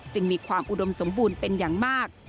มีความอุดมสมบูรณ์เป็นอย่างมาก